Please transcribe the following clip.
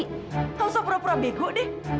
kamu sepura pura bego deh